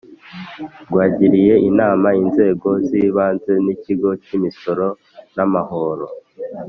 rwagiriye inama inzego z ibanze n Ikigo cy Imisoro n Amahoro